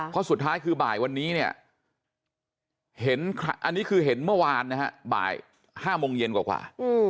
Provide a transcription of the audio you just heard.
เพราะสุดท้ายคือบ่ายวันนี้เนี่ยเห็นอันนี้คือเห็นเมื่อวานนะฮะบ่าย๕โมงเย็นกว่า